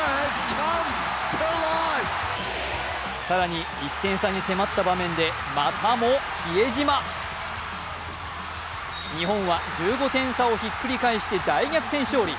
更に１点差に迫った場面で、またも比江島日本は１５点差をひっくり返して大逆転勝利。